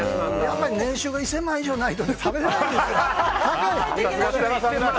年収が１０００万円以上ないと食べられないんですよ。